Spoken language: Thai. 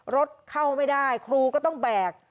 รถเข้าไม่ได้ครูก็ต้องแบก